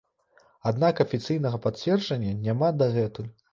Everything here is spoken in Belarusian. Аднак афіцыйнага пацверджання няма дагэтуль.